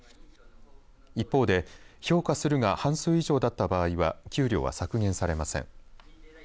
一方で評価するが半数以上だった場合は給料は削減されません。